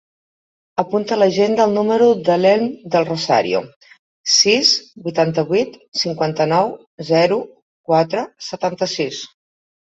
Apunta a l'agenda el número de l'Elm Del Rosario: sis, vuitanta-vuit, cinquanta-nou, zero, quatre, setanta-sis.